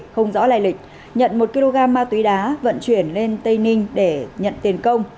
không rõ lai lịch nhận một kg ma túy đá vận chuyển lên tây ninh để nhận tiền công